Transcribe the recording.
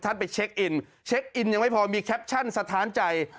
ไปเช็คอินเช็คอินยังไม่พอมีแคปชั่นสะท้านใจ